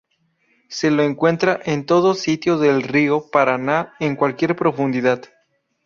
Se lo encuentra en todo sitio del río Paraná, en cualquier profundidad.